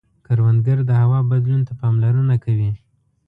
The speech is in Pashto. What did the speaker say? کروندګر د هوا بدلون ته پاملرنه کوي